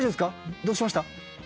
どうしました？